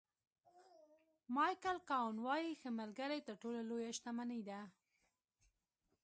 مایکل کاون وایي ښه ملګری تر ټولو لویه شتمني ده.